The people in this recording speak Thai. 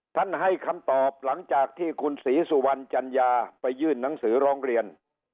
ท่านให้คำตอบหลังจากที่คุณศรีสุวรรณจัญญาไปยื่นหนังสือร้องเรียน